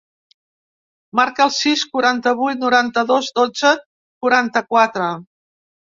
Marca el sis, quaranta-vuit, noranta-dos, dotze, quaranta-quatre.